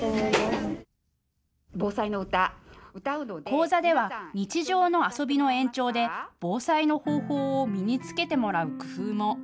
講座では日常の遊びの延長で防災の方法を身につけてもらう工夫も。